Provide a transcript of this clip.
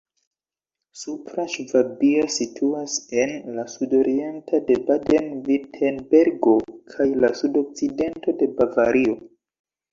Supra Ŝvabio situas en la sudoriento de Baden-Virtembergo kaj la sudokcidento de Bavario.